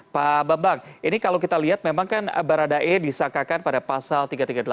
pak bambang ini kalau kita lihat memang kan baradae disakakan pada pasal tiga ratus tiga puluh delapan